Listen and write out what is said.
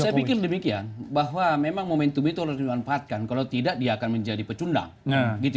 saya pikir demikian bahwa memang momentum itu harus dimanfaatkan kalau tidak dia akan menjadi pecundang